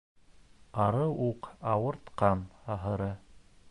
Арыу уҡ ауыртҡан, ахыры.